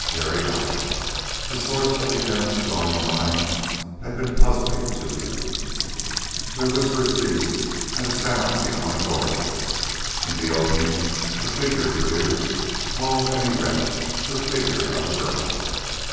Jerry nodded; the source of the endless glowing lines had been puzzling to him. Their whispers ceased at a sound beyond a doorway. In the opening a figure appeared, tall and erect, the figure of a girl.